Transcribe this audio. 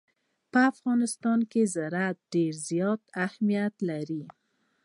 په افغانستان کې زراعت ډېر زیات اهمیت لري.